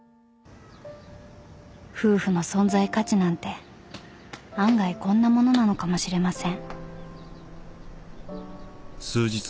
［夫婦の存在価値なんて案外こんなものなのかもしれません］